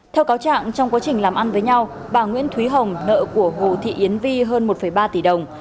theo cáo trạng trong quá trình làm ăn với nhau bà nguyễn thúy hồng nợ của hồ thị yến vi hơn một ba tỷ đồng